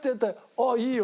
「あっいいよ」